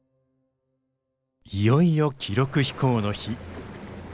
いよいよ記録飛行の日。